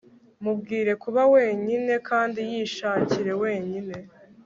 mubwire kuba wenyine kandi yishakire wenyine